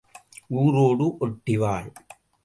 ஊரோடு ஒட்டி வாழ்.